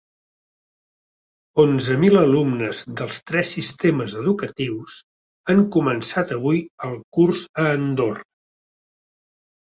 Onzen mil alumnes dels tres sistemes educatius han començat avui el curs a Andorra.